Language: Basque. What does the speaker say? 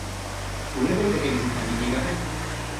Uler daiteke bizitza minik gabe?